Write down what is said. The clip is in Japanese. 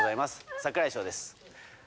櫻井翔です。